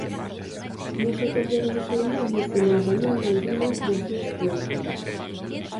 Non só cambiaron o seu nome senón tamén algunhas das súas crenzas.